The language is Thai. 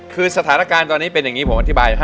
คือสถานการณ์ตอนนี้เป็นอย่างนี้จากผมมันอธิบายให้นะฮะ